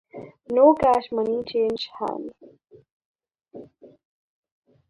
No cash money changes hands.